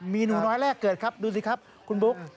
มีหนูน้อยแรกเกิดครับดูสิครับคุณบุ๊ค